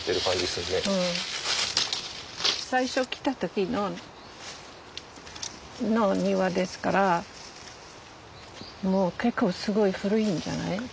最初来た時の庭ですからもう結構すごい古いんじゃない？